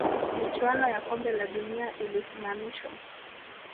michuano ya Kombe la dunia ililisimamishwa